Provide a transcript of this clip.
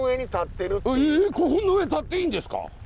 古墳の上立っていいんですか？